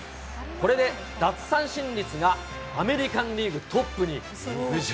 これで奪三振率がアメリカンリーグトップに浮上。